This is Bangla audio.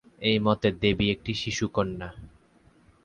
এই মতে দেবী একটি শিশুকন্যা।